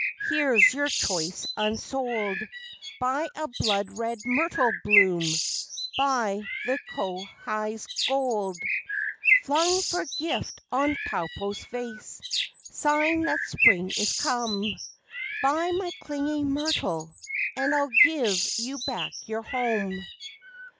Here's your choice unsold! Buy a blood red myrtle bloom, Buy the kowhai's gold Flung for gift on Taupo's face Sign that spring is come Buy my clinging myrtle And I'll give you back your home!